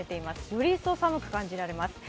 より一層寒く感じられます。